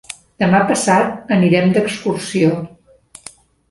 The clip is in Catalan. Demà passat anirem d'excursió.